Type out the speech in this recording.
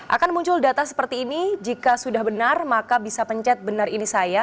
akan muncul data seperti ini jika sudah benar maka bisa pencet benar ini saya